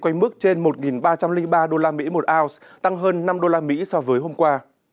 quanh mức trên một ba trăm linh ba usd một ounce tăng hơn năm usd so với hôm qua